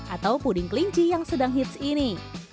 atau puding kelinci yang sedang hits ini